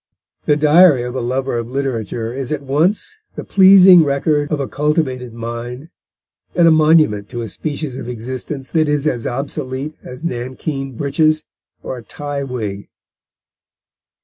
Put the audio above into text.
The Diary of a Lover of Literature is at once the pleasing record of a cultivated mind, and a monument to a species of existence that is as obsolete as nankeen breeches or a tie wig.